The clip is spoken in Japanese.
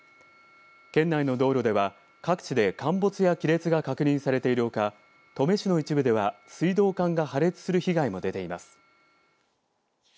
県内の道路では各地で陥没や亀裂が確認されているほか登米市の一部では水道管が破裂する被害も出ています。